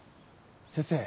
先生